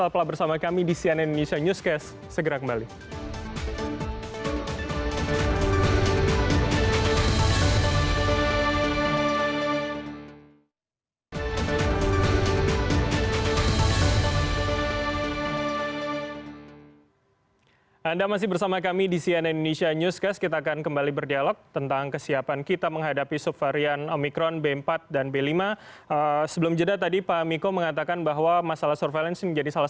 pemirsa telah bersama kami di cnn indonesia newscast